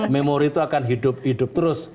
memori itu akan hidup hidup terus